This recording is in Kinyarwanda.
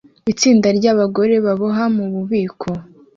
Itsinda ryabagore baboha mububiko